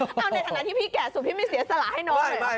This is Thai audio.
เอาในฐานะที่พี่แก่สุดพี่ไม่เสียสละให้น้อง